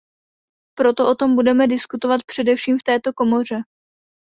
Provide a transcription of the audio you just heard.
Proto o tom budeme diskutovat především v této komoře.